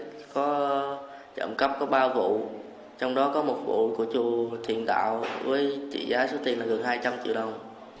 trong đó trộm cấp có ba vụ trong đó có một vụ của chùa thiên đạo với trị giá số tiền gần hai trăm linh triệu đồng